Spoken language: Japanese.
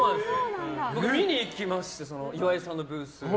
僕、見に行きまして岩井さんのブース。